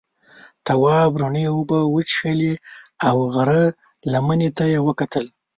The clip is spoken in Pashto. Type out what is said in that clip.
تواب رڼې اوبه وڅښلې او غره لمنې ته یې وکتل.